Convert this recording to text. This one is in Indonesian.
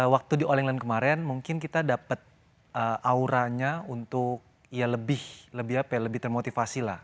waktu di all england kemarin mungkin kita dapat auranya untuk ya lebih apa ya lebih termotivasi lah